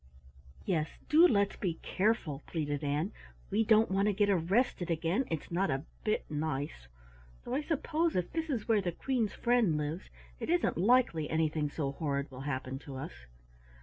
"Yes, do let's be careful," pleaded Ann. "We don't want to get arrested again, it's not a bit nice though I suppose if this is where the Queen's friend lives, it isn't likely anything so horrid will happen to us."